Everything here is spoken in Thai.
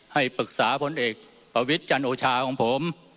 ให้ปรึกษาพนตริประวิตรจันโอตชาของผม